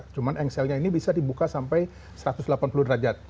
cuman engselnya ini bisa dibuka sampai satu ratus delapan puluh derajat